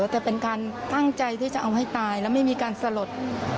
แต่เป็นการตั้งใจที่จะเอาให้ตายแล้วไม่มีการสลด